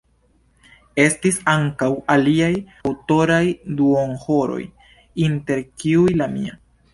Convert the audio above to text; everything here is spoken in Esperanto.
Estis ankaŭ aliaj aŭtoraj duonhoroj, inter kiuj la mia.